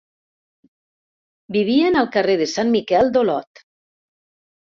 Vivien al carrer de Sant Miquel d'Olot.